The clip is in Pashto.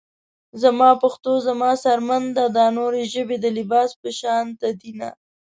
زما پښتو زما څرمن ده دا نورې ژبې د لباس پشانته دينه